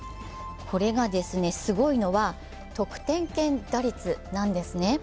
これがすごいのは、得点圏打率なんですね。